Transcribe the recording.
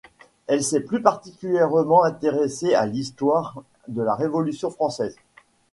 Elle s'est plus particulièrement intéressée à l'histoire de la Révolution française.